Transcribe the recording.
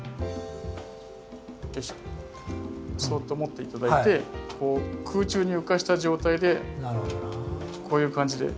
そっと持って頂いて空中に浮かした状態でこういう感じで。